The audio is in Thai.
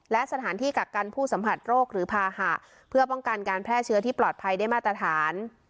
และสถานที่กักกันผู้สัมผัสโรคหรือภาหะเพื่อป้องกันการแพร่เชื้อที่ปลอดภัยได้มาตรฐาน